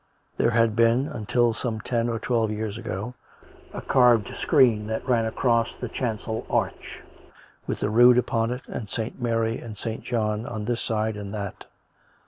There had been, until some ten or twelve years ago, a carved screen that ran across the chancel arch, with the Rood upon it, and St. Mary and St. John on this side and that.